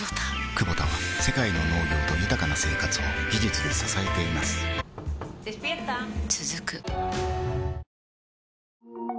クボタは世界の農業と豊かな生活を技術で支えています起きて。